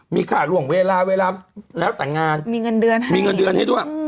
มีค่าล่วงเวลาเวลาแล้วแต่งงานมีเงินเดือนค่ะมีเงินเดือนให้ด้วย